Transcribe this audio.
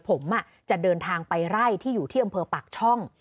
ผมจะเดินทางไปไล่ที่อยู่ที่อำเภอปากช่อง